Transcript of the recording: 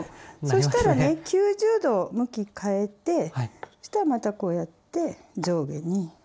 そしたらね９０度向き変えてそしたらまたこうやって上下にね。